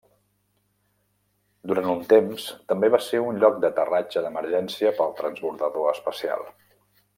Durant un temps també va ser un lloc d'aterratge d'emergència pel transbordador espacial.